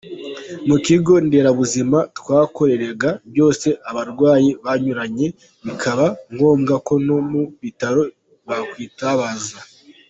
Mu kigo nderabuzima, twakoreraga byose abarwayi banyuranye bikaba ngombwa ko no mu bitaro batwitabaza.